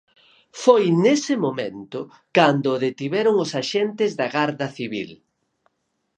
Foi nese momento, cando o detiveron os axentes da Garda Civil.